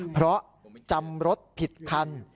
เพราะจำรถผิดคัน